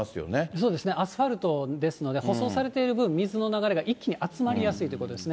そうですね、アスファルトですので、舗装されてる分、水の流れが一気に集まりやすいということですね。